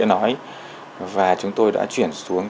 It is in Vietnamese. thứ nhất là sách chữ nổi và thứ hai là đĩa nói